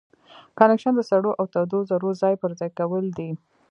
کانویکشن د سړو او تودو ذرتو ځای پر ځای کول دي.